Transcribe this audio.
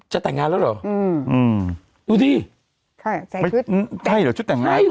จะแต่งงานแล้วหรออืมดูดิใช่ใส่ชุดใช่หรอชุดแต่งงานใช่หรอ